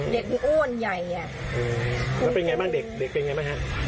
เด็กอ้วนใหญ่อ่ะแล้วเป็นยังไงบ้างเด็กเป็นยังไงบ้างฮะ